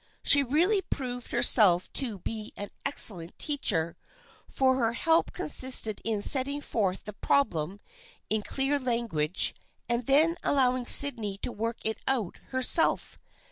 She really proved herself to be an excellent teacher, for her help consisted in setting forth the problem in clear language and then allowing Sydney to work it out herself.